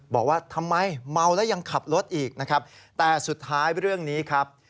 บอกว่าทำไมเมาแล้วยังขับรถอีกนะครับแต่สุดท้ายเรื่องนี้ครับ